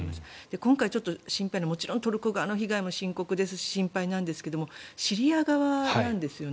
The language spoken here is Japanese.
今回心配なのはもちろん、トルコ側の被害も深刻ですし心配なんですがシリア側なんですよね。